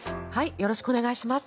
よろしくお願いします。